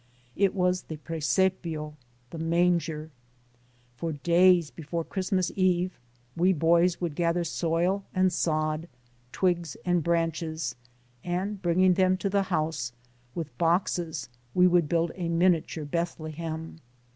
It was the Presepio the Manger. For days before Christ mas Eve we boys would gather soil and sod, twigs and branches, and bringing them to the house, with boxes we would build a miniature Bethlehem.